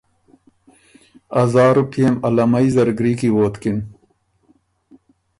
ا زار رُوپئے م علمئ زرګري کی ووتکِن